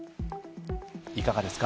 いかがですか？